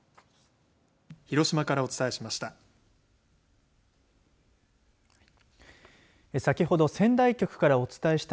広島からお伝えしました。